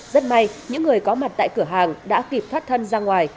rất may những người có mặt tại cửa hàng đã kịp thoát thân ra ngoài